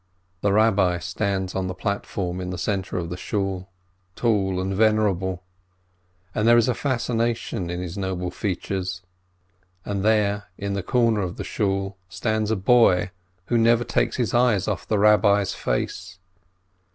The Rabbi stands on the platform in the centre of the Shool, tall and venerable, and there is a fascination in his noble features. And there, in the corner of the Shool, stands a boy who never takes his eyes off the Rabbi's face.